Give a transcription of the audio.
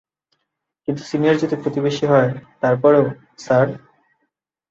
কিন্তু সিনিয়র যদি প্রতিবেশী হয়, তারপরেও, স্যার?